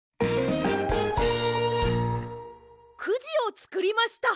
くじをつくりました！